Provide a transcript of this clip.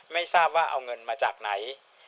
ไม่ทราบว่าเอาเงินมาจากไหน